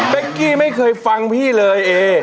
เป็นกี้ไม่เคยฟังพี่เลยเอ